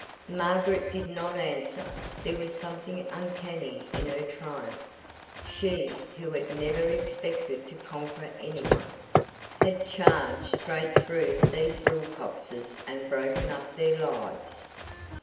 Margaret did not answer. There was something uncanny in her triumph. She, who had never expected to conquer anyone, had charged straight through these Wilcoxes and broken up their lives.